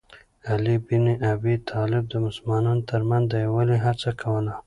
علي بن ابي طالب د مسلمانانو ترمنځ د یووالي هڅه کوله.